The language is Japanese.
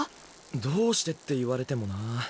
どうしてって言われてもなぁ。